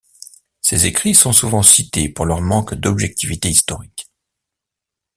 Ses écrits sont souvent cités pour leur manque d'objectivité historique.